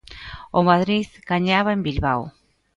O Madrid gañaba en Bilbao.